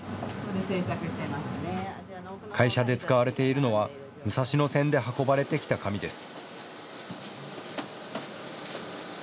会社で使われているのは、武蔵野線で運ばれてきた紙です。